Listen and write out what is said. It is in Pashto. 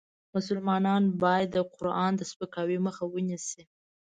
مسلمان باید د قرآن د سپکاوي مخه ونیسي .